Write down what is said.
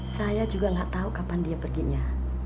saya juga gak tahu kapan dia perginya